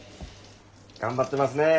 頑張ってますねえ